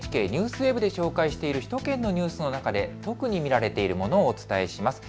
ＮＨＫＮＥＷＳＷＥＢで紹介している首都圏のニュースの中で特に見られているものをお伝えします。